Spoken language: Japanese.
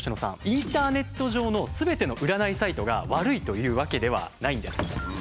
インターネット上のすべての占いサイトが悪いというわけではないんです。